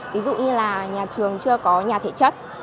ví dụ như là nhà trường chưa có nhà thể chất